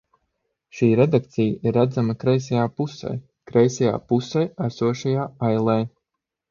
Šī redakcija ir redzama kreisajā pusē, kreisajā pusē esošajā ailē.